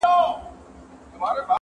د غمونو درته مخ د خوښۍ شا سي٫